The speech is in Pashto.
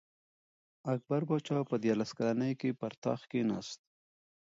اکبر پاچا په دیارلس کلنۍ کي پر تخت کښېناست.